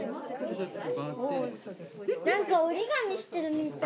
何か折り紙してるみたい。